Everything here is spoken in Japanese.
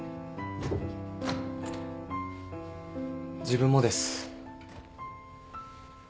自分もです。